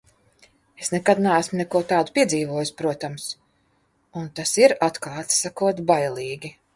Es nekad neesmu neko tādu piedzīvojusi, protams, un tas ir, atklāti sakot, bailīgi.